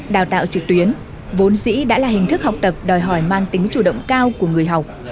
đào tạo trực tuyến vốn dĩ đã là hình thức học tập đòi hỏi mang tính chủ động cao của người học